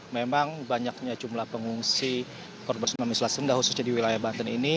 memang banyaknya jumlah pengungsi korban tsunami selat sunda khususnya di wilayah banten ini